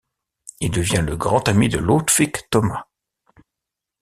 Il devient le grand ami de Ludwig Thoma.